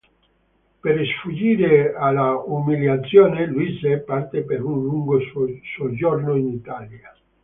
Per sfuggire all'umiliazione, Louise parte per un lungo soggiorno in Italia.